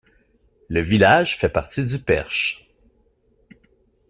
Le village fait partie du Perche.